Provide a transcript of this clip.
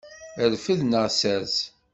Rfed neɣ sers.